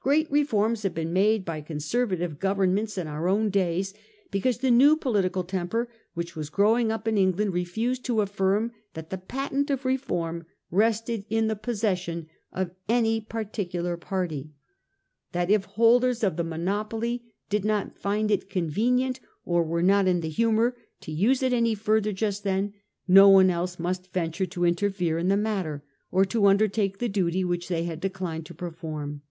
Great reforms have been made by Conservative govern ments in our own days, because the new political temper which, was growing up in England refused to affirm that the patent of reform rested in the posses sion of any particular party, and that if the holders of the monopoly did not find it convenient, or were not in the humour, to use it any further just then, no one else must venture to interfere in the matter, or to undertake the duty which they had declined to perform.